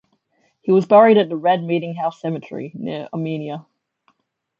He was buried at the Red Meeting House Cemetery, near Amenia.